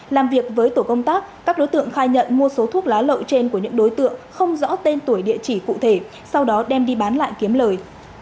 làm việc với tổ công tác các đối tượng khai nhận mua số thuốc lá lậu trên của những đối tượng không rõ tên tuổi địa chỉ cụ thể sau đó đem đi bán lại kiếm lời